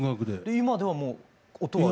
今ではもう音は。